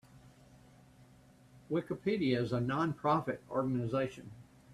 Wikipedia is a non-profit organization.